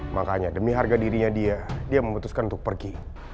makanya demi harga dirinya dia dia memutuskan untuk pergi